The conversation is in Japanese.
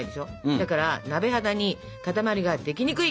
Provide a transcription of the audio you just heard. だから鍋肌に塊ができにくい。